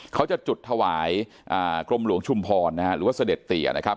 เขาจะจุดถวายกรมหลวงชุมพรนะฮะหรือว่าเสด็จเตียนะครับ